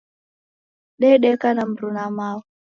Dedeka na mruna mao